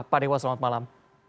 pak dewa selamat malam